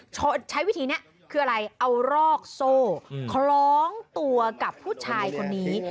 ใช้วิธีนี้คืออะไรเอารอกโซ่คล้องตัวกับผู้ชายคนนี้